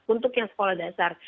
untuk yang sekolah dasar